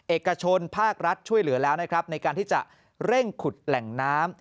เอกชนภาครัฐช่วยเหลือแล้วนะครับในการที่จะเร่งขุดแหล่งน้ำ